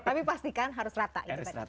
tapi pastikan harus rata